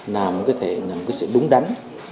là một cái sự đúng đắn